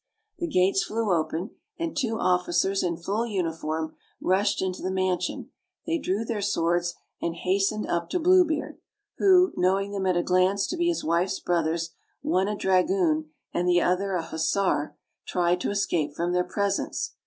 The gates flew open, and two officers, in full uniform, rushed into the mansion *, they drew their swords and hastened up to Blue Beard, who, knowing them at a glance to be his wife's brothers, one a dragoon, and the other a hus sar, tried to escape from their presence.